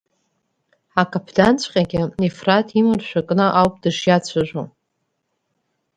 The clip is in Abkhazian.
Акаԥданҵәҟьагьы Ефраҭ имаршәа кны ауп дышиацәажәо.